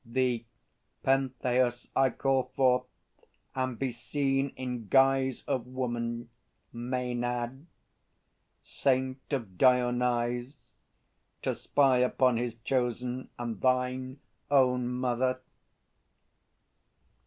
Thee, Pentheus, I call; forth and be seen, in guise Of woman, Maenad, saint of Dionyse, To spy upon His Chosen and thine own Mother!